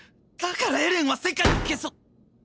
だからエレンは世界を消そーー。